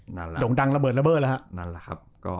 หยุ่งดังระเบิดระเบิดแล้วฮะ